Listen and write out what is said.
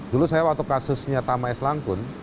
dulu saya waktu kasusnya tama s langkun